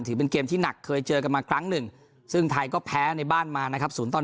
เป็นเกมที่หนักเคยเจอกันมาครั้งหนึ่งซึ่งไทยก็แพ้ในบ้านมานะครับ๐ต่อ๑